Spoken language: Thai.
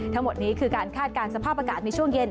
ทั้งหมดนี้คือการคาดการณ์สภาพอากาศในช่วงเย็น